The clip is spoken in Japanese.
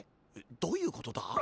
どういうことだ？ん！？